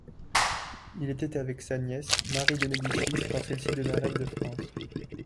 Il était avec sa nièce, Marie de Médicis, quand celle-ci devint reine de France.